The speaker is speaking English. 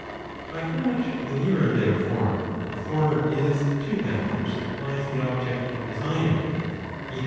By how much the nearer, therefore, the former is to that which supplies the object of desire [i.